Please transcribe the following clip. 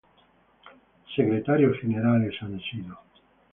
Secretarios Generales han sido